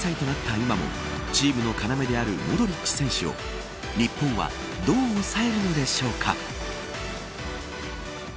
今もチームの要であるモドリッチ選手を日本はどう抑えるのでしょうか。